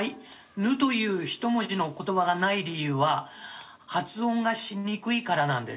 「ぬ」という１文字の言葉がない理由は発音がしにくいからなんです。